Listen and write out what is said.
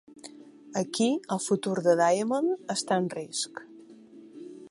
Aquí, el futur de Diamond està en risc.